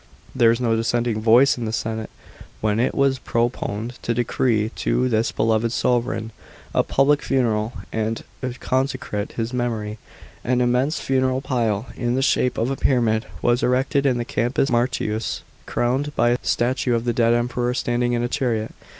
There was no dissenting voice in the senate, when it was proponed to decree to this beloved sovran a pu' lic funeral, and u> consecrate his memory. An immense funeral pile, in the shape of a pyramid, was erected in the Campus Martius, crowned by a staiue of the dead Emperor standing in a chariot.